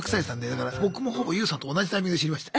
だから僕もほぼＹＯＵさんと同じタイミングで知りました。